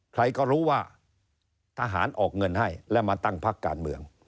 ใครก็รู้ว่าทหารออกเงินให้และมาตั้งพักการเมือง